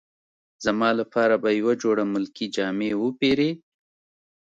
زما لپاره به یوه جوړه ملکي جامې وپیرې.